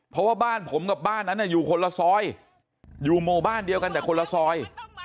เพราะว่าบ้านผมกับบ้านนั้นอยู่คนละซอยอยู่หมู่บ้านเดียวกันแต่คนละซอย